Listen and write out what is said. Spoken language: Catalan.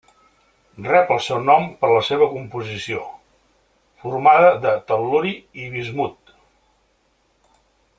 Rep el seu nom per la seva composició, formada de tel·luri i bismut.